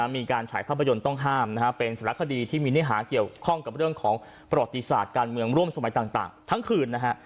มีการฉายภาพยนตร์ต้องห้ามนะฮะเป็นสารคดีที่มีเนื้อหาเกี่ยวข้องกับเรื่องของประวัติศาสตร์การเมืองร่วมสมัยต่างทั้งคืนนะฮะ